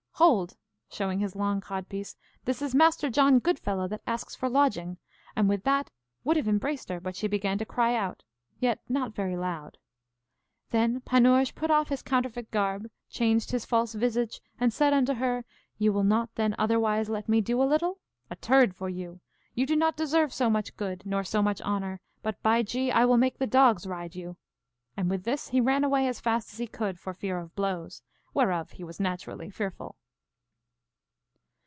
Hold! showing his long codpiece this is Master John Goodfellow, that asks for lodging! and with that would have embraced her; but she began to cry out, yet not very loud. Then Panurge put off his counterfeit garb, changed his false visage, and said unto her, You will not then otherwise let me do a little? A turd for you! You do not deserve so much good, nor so much honour; but, by G , I will make the dogs ride you; and with this he ran away as fast as he could, for fear of blows, whereof he was naturally fearful.